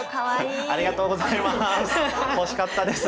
ありがとうございます。